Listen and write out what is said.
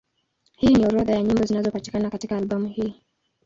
Hii ni orodha ya nyimbo zinazopatikana katika albamu hii.